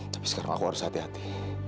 tapi sekarang aku harus hati hati